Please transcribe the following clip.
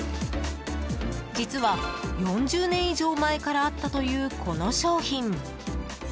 実は４０年以上前からあったというこの商品。